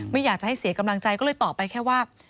ไม่อยากจะให้เสียกำลังใจก็เลยตอบไปแค่ว่า